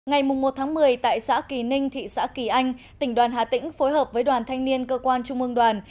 ngày một một mươi tại xã kỳ ninh thị xã kỳ anh tỉnh đoàn hà tĩnh phối hợp với đoàn thanh niên cơ quan trung ương đoàn